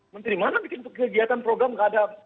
menteri mana bikin kegiatan program nggak ada